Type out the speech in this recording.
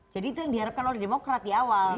jadi itu yang diharapkan oleh demokrat di awal